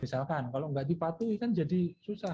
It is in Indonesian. misalkan kalau nggak dipatuhi kan jadi susah